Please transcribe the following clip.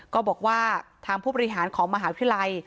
ก็บอกว่าทางผู้บริหารของมหาวิทยาลัย